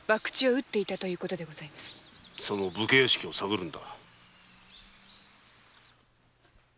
その武家屋敷を探るのだ。